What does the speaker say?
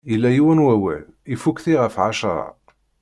Illa yiwen n wawal, iffukti ɣef ɛecṛa.